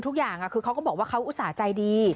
ทุกอย่างคือเขาก็บอกว่าเขาอุตส่าห์ใจดี